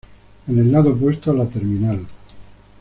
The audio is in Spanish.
En el lado opuesto a la terminal.